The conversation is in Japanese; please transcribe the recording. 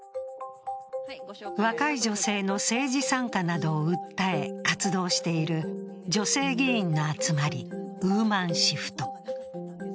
若い女性の政治参加などを訴え活動している女性議員の集まり、ＷＯＭＡＮＳＨＩＦＴ。